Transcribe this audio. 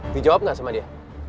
dijawab gak sama dia